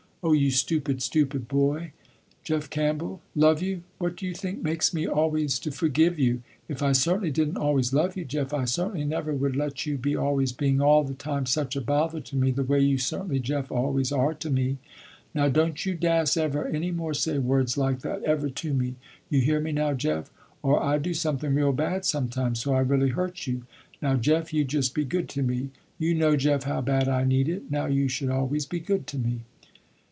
"Oh you stupid, stupid boy, Jeff Campbell. Love you, what do you think makes me always to forgive you. If I certainly didn't always love you Jeff, I certainly never would let you be always being all the time such a bother to me the way you certainly Jeff always are to me. Now don't you dass ever any more say words like that ever to me. You hear me now Jeff, or I do something real bad sometime, so I really hurt you. Now Jeff you just be good to me. You know Jeff how bad I need it, now you should always be good to me!"